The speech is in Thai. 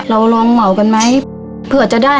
เราลองเหมากันไหมเผื่อจะได้